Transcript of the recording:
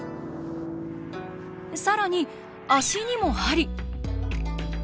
更に足にも鍼。